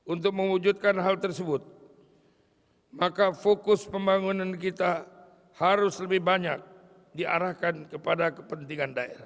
untuk mewujudkan hal tersebut maka fokus pembangunan kita harus lebih banyak diarahkan kepada kepentingan daerah